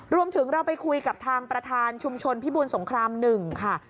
รวมถึงเราไปคุยกับทางประธานชุมชนพิบูรสงคราม๑ค่ะ